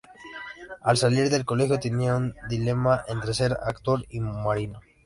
Al salir del colegio, tenía el dilema entre ser actor o marino.